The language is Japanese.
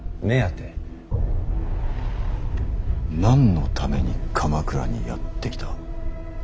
何のために鎌倉にやって来た。